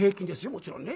もちろんね。